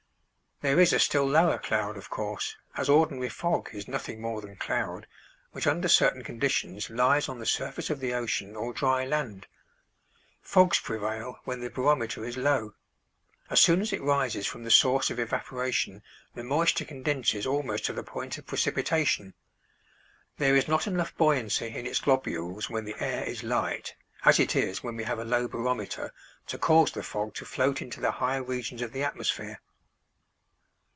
There is a still lower cloud of course, as ordinary fog is nothing more than cloud, which under certain conditions lies on the surface of the ocean or dry land. Fogs prevail when the barometer is low. As soon as it rises from the source of evaporation the moisture condenses almost to the point of precipitation. There is not enough buoyancy in its globules when the air is light, as it is when we have a low barometer, to cause the fog to float into the higher regions of the atmosphere.